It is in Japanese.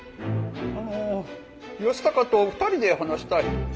あの義高と２人で話したい。